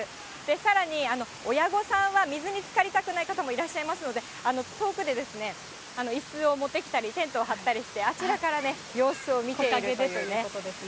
さらに親御さんは水につかりたくない方もいらっしゃいますので、遠くでいすを持ってきたり、テントを張ったりして、あちらから様子を見ているということですね。